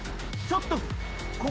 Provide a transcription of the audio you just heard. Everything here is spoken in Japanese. ちょっと。